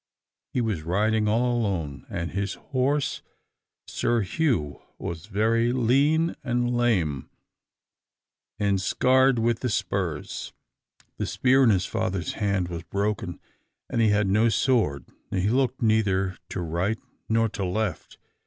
He was riding all alone, and his horse, Sir Hugh, was very lean and lame, and scarred with the spurs. The spear in his father's hand was broken, and he had no sword; and he looked neither to right nor to left.